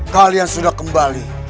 kalian sudah kembali